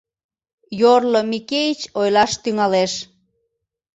Йорло Микеич ойлаш тӱҥалеш.